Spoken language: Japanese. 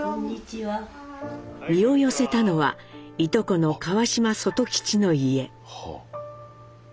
身を寄せたのはいとこの川島外吉の家。